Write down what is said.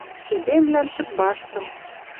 Эдемвлӓн судьбаштым